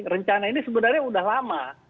rencana ini sebenarnya sudah lama